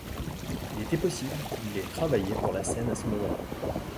Il est possible qu'il ait travaillé pour la scène à ce moment-là.